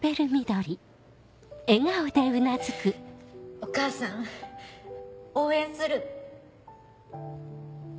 お母さん応援する。